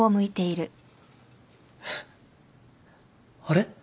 あれ？